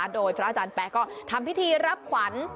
โดยพระอาจารย์แป๊ะก็ทำพิธีรับขวัญ